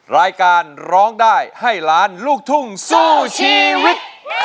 รายการร้องได้ให้ล้านลูกทุ่งสู้ชีวิต